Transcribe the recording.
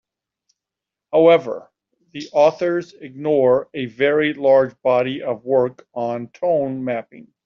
However, the authors ignore a very large body of work on tone mapping.